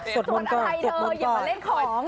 สวดมนต์ก่อนอย่ามาเล่นของ